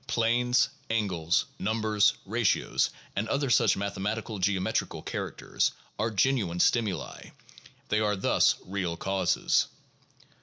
Planes, angles, numbers, ratios, and other such mathematical geometrical characters are genuine stimuli. They are thus real causes.